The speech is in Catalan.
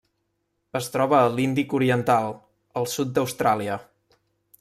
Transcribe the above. Es troba a l'Índic oriental: el sud d'Austràlia.